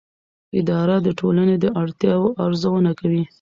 اداره د ټولنې د اړتیاوو ارزونه کوي.